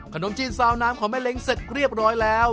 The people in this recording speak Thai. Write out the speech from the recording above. ขนมจีนซาวน้ำของแม่เล้งเสร็จเรียบร้อยแล้ว